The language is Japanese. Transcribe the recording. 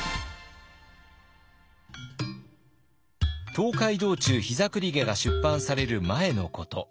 「東海道中膝栗毛」が出版される前のこと。